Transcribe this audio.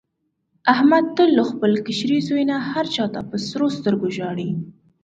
احمد تل له خپل کشري زوی نه هر چا ته په سرو سترګو ژاړي.